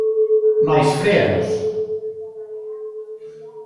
Mais fréanos.